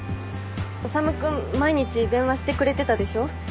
修君毎日電話してくれてたでしょ？